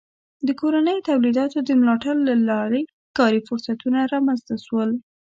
د کورنیو تولیداتو د ملاتړ له لارې کاري فرصتونه رامنځته سول.